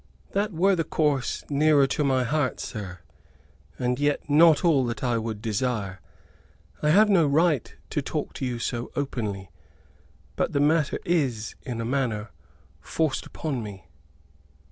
"That were the course nearer to my heart, sir; and yet not all that I would desire. I have no right to talk to you so openly; but the matter is, in a manner, forced upon me."